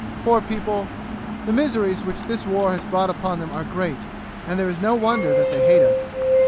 Poor people, the miseries which this war has brought upon them are great, and there is no wonder that they hate us."